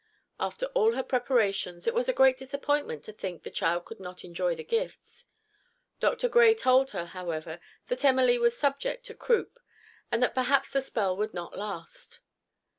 After all her preparations, it was a great disappointment to think the child could not enjoy the gifts. Dr. Gray told her, however, that Emily was subject to croup, and that perhaps the spell would not last.